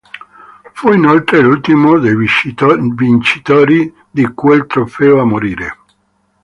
Fu inoltre l'ultimo dei vincitori di quel trofeo a morire.